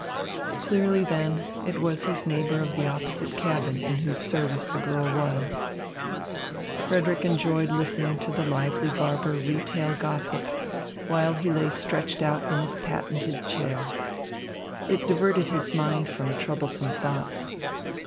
Clearly, then, it was his neighbour of the opposite cabin in whose service the girl was. Frederick enjoyed listening to the lively barber retail gossip, while he lay stretched out in his patented chair. It diverted his mind from troublesome thoughts.